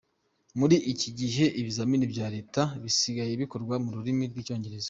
Muri iki gihe ibizamini bya Leta bisigaye bikorwa mu rurimi rw’icyongereza.